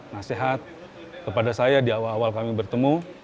nasihat kepada saya di awal awal kami bertemu